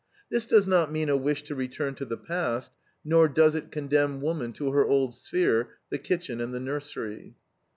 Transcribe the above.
This does not mean a wish to return to the past, nor does it condemn woman to her old sphere, the kitchen and the nursery.